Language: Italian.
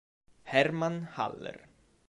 Hermann Haller